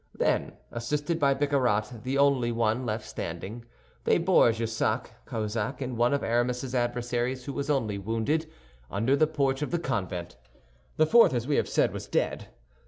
Then, assisted by Bicarat, the only one left standing, they bore Jussac, Cahusac, and one of Aramis's adversaries who was only wounded, under the porch of the convent. The fourth, as we have said, was dead.